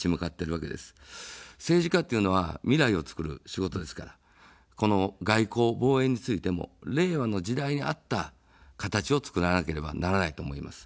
政治家というのは未来をつくる仕事ですから、この外交、防衛についても令和の時代に合った形をつくらなければならないと思います。